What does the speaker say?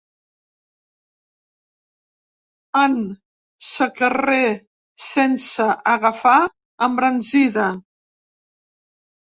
En secarrer Sense agafar embranzida.